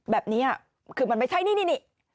แบบนี้คือมันไม่ใช่นี่